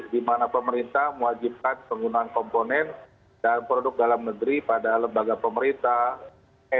di mana pemerintah mewajibkan penggunaan komponen dan produk dalam negeri pada lembaga pemerintah